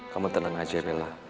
kamu teneng aja bella